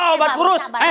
beli obat kurus